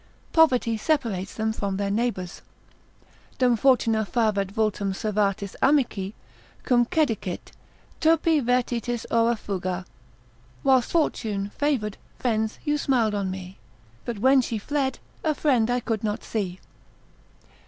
Poverty separates them from their neighbours. Dum fortuna favet vultum servatis amici, Cum cecidit, turpi vertitis ora fuga. Whilst fortune favour'd, friends, you smil'd on me, But when she fled, a friend I could not see.